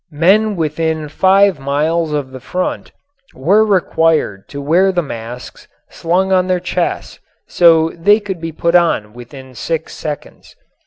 Men within five miles of the front were required to wear the masks slung on their chests so they could be put on within six seconds.